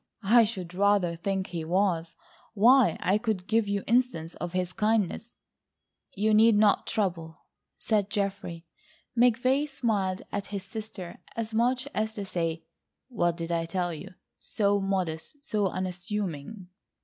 I should rather think he was. Why, I could give you instances of his kindness—" "You need not trouble," said Geoffrey. McVay smiled at his sister as much as to say: What did I tell you?... so modest, so unassuming.